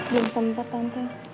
jangan sempat tante